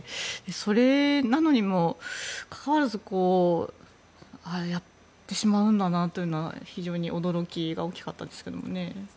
それなのにもかかわらずああ、やってしまうんだなというのは非常に驚きが大きかったです。